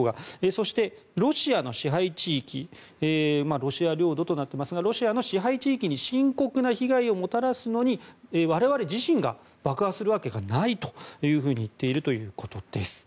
そして、ロシア領土となっていますがロシアの支配地域に深刻な被害をもたらすのに我々自身が爆破するわけがないと言っているということです。